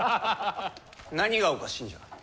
何がおかしいんじゃ。